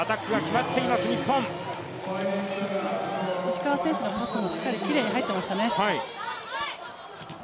石川選手のパスもしっかりきれいに入っていますね。